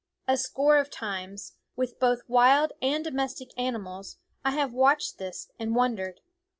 A score of times, with both wild and domestic animals, I have watched this and wondered.